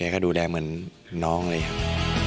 ก็ดูแลเหมือนน้องเลยครับ